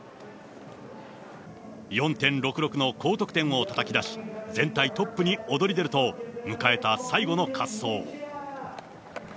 ４．６６の高得点をたたき出し、全体トップに躍り出ると、迎えた最後の滑走。